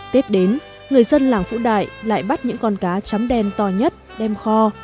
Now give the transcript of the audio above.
tết đến người dân làng vũ đại lại bắt những con cá trắm đen to nhất đem kho